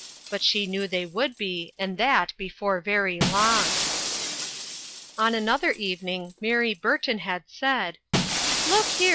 But she knew they would be, and that be fore very long. On another evening, Mary Burton had said :" Look here !